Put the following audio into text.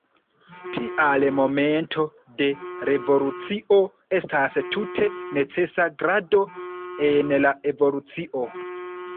Tial momento de revolucio estas tute necesa grado en la evolucio.